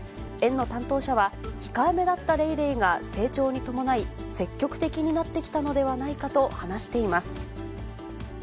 園の担当者は、控え目だったレイレイが成長に伴い、積極的になってきたのではないかと話しています。